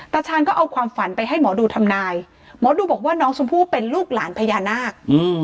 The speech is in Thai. ตาชาญก็เอาความฝันไปให้หมอดูทำนายหมอดูบอกว่าน้องชมพู่เป็นลูกหลานพญานาค